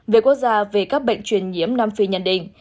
về quốc gia về các bệnh truyền nhiễm nam phi nhận định